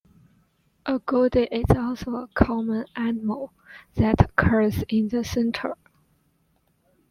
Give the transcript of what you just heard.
Agouti is also a common animal that occurs in the centre.